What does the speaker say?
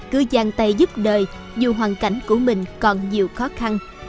cứ giang tay giúp đời dù hoàn cảnh của mình còn nhiều khó khăn